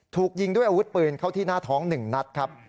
ถูกยิงด้วยอาวุธปืนเข้าที่หน้าท้อง๑นัดครับ